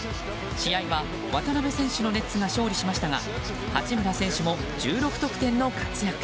試合は渡邊選手のネッツが勝利しましたが八村選手も１６得点の活躍。